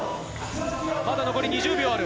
まだ残り２０秒ある。